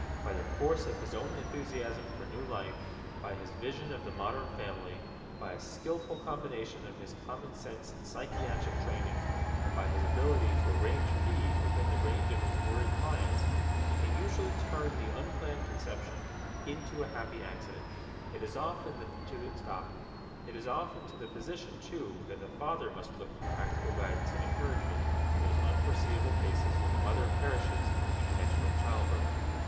By the force of his own enthusiasm for new life, by his vision of the modern family, by a skillful combination of his common sense and psychiatric training, and by his ability to arrange fees within the range of his worried clients, he can usually turn the unplanned conception into a happy accident. It is often to the physician, too, that the father must look for practical guidance and encouragement in those unforeseeable cases when the mother perishes in connection with childbirth.